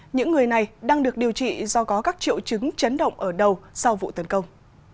những người này đang được điều trị do có các triệu chứng chấn động ở đầu sau vụ tấn công